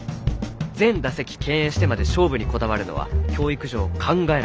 「全打席敬遠してまで勝負にこだわるのは教育上考えられない」。